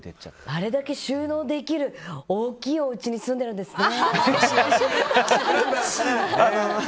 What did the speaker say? あれだけ収納できる大きいお家に住んでるんですね！